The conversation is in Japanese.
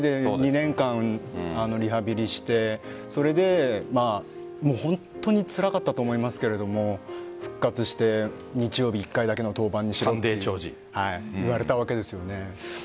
２年間リハビリしてそれで本当につらかったと思いますが日曜日だけの登板にしてと言われたわけですよね。